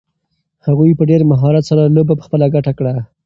هغوی په ډېر مهارت سره لوبه په خپله ګټه کړه.